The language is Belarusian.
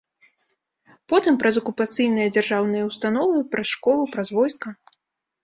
Потым праз акупацыйныя дзяржаўныя ўстановы, праз школу, праз войска.